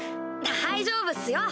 大丈夫っすよ！